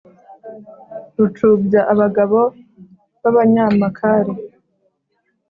Rucubya abagabo babanyamakari